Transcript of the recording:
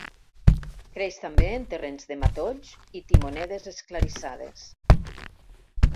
Creix també en terrenys de matolls i timonedes esclarissades.